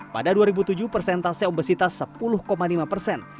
pada dua ribu tujuh persentase obesitas sepuluh lima persen